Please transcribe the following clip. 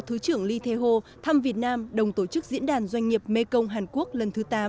thứ trưởng lee tae ho thăm việt nam đồng tổ chức diễn đàn doanh nghiệp mekong hàn quốc lần thứ tám